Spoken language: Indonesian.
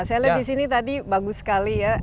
saya lihat disini tadi bagus sekali ya